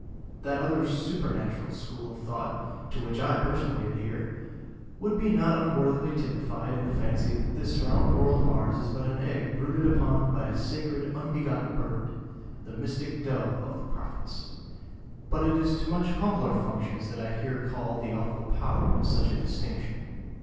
That other supernatural school of thought (to which I personally adhere) would be not unworthily typified in the fancy that this round world of ours is but an egg brooded upon by a sacred unbegotten bird; the mystic dove of the prophets. But it is to much humbler functions that I here call the awful power of such a distinction.